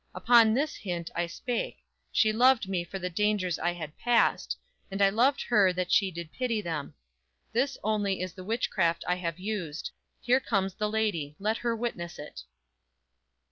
Upon this hint, I spake; She loved me for the dangers I had passed; And I loved her that she did pity them. This only is the witchcraft I have used, Here comes the lady, let her witness it!"